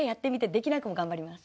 できない子も頑張ります。